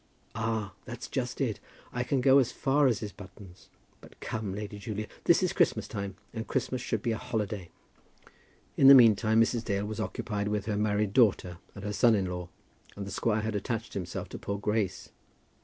"Ah, that's just it. I can go as far as his buttons. But come, Lady Julia, this is Christmas time, and Christmas should be a holiday." In the meantime Mrs. Dale was occupied with her married daughter and her son in law, and the squire had attached himself to poor Grace.